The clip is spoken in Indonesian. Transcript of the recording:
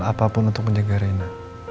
apapun untuk menjaga rena